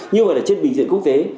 như vậy là trên bình diện quốc tế